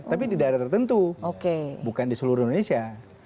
tapi di daerah tertentu bukan di seluruh indonesia